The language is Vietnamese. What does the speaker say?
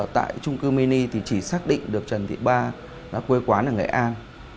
tại trung cư mini thì chỉ xác định được trần thị ba đã quê quán ở nghệ an